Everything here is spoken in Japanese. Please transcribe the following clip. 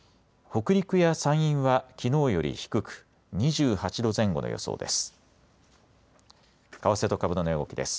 北陸や山陰はきのうより低く２８度前後の予想です。